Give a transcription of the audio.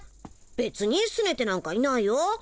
べつにすねてなんかいないよ。